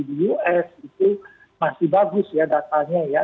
di us itu masih bagus ya datanya ya